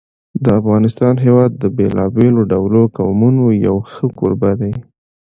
د افغانستان هېواد د بېلابېلو ډولو قومونو یو ښه کوربه دی.